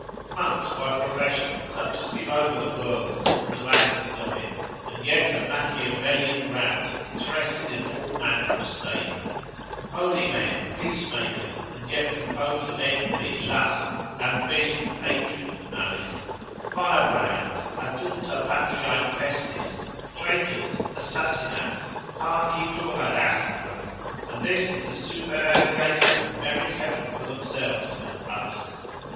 Monks by profession, such as give over the world, and the vanities of it, and yet a Machiavellian rout interested in all manner of state: holy men, peace makers, and yet composed of envy, lust, ambition, hatred, and malice; firebrands, adulta patriae pestis, traitors, assassinats, hac itur ad astra, and this is to supererogate, and merit heaven for themselves and others.